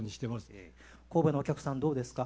神戸のお客さんどうですか？